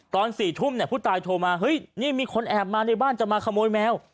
ตอน๔ทุ่มผู้ตายโทรมามีคนแอบในบ้านมาจะขโมยแมว